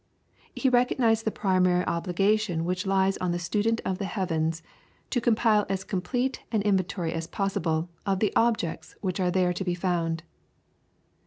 He recognized the primary obligation which lies on the student of the heavens to compile as complete an inventory as possible of the objects which are there to be found.